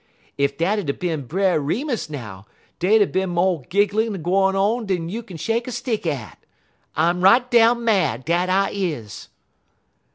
Ef dat'd 'a' bin Brer Remus, now, dey'd 'a' bin mo' gigglin' gwine on dan you kin shake a stick at. I'm right down mad, dat I is."